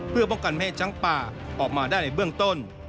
เพื่อป้องกันไม่ให้ช้างป่าออกมาได้ในเบื้องต้น